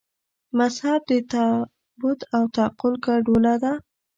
مذهب د تعبد او تعقل ګډوله ده.